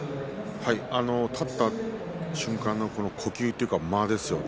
立った瞬間の呼吸というか間ですよね